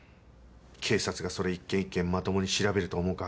警察がそれ一件一件まともに調べると思うか？